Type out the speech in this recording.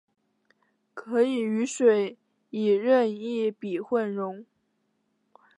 可以与水以任意比混溶。